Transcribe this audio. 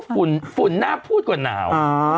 ฝุ่นน่าพูดกว่าหนาว